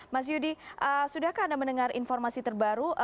mas yudi sudahkah anda mendengar informasi terbaru